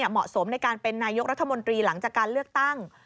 เหมาะสมในการเป็นนายกรัฐมนตรีหลังจากการเลือกตั้ง